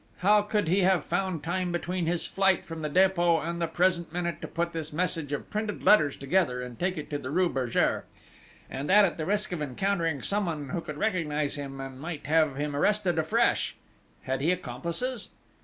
How could he have found time between his flight from the Dépôt and the present minute, to put this message of printed letters together, and take it to the rue Bergere?... And that at the risk of encountering someone who could recognise him, and might have him arrested afresh? Had he accomplices?"